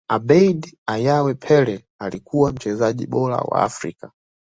abedi ayew pele alikuwa mchezaji bora wa afrika